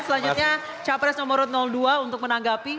selanjutnya capres nomor dua untuk menanggapi